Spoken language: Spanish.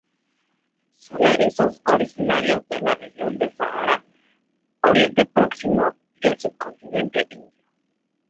Son erizos originarios de la región del Sahara, Oriente Próximo y el subcontinente indio.